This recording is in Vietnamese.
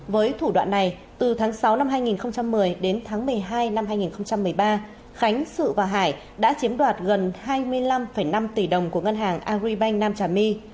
với thủ đoạn này từ tháng sáu năm hai nghìn một mươi đến tháng một mươi hai năm hai nghìn một mươi ba khánh sự và hải đã chiếm đoạt gần hai mươi năm năm tỷ đồng của ngân hàng agribank nam trà my